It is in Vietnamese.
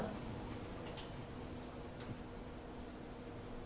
cơ quan công an đang củng cố hồ sơ xử lý tuyến theo quy định của pháp luật